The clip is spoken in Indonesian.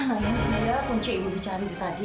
amira ini adalah kunci ibu dicari tadi